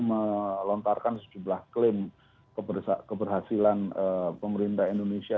melontarkan sejumlah klaim keberhasilan pemerintah indonesia